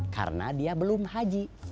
karena dia belum haji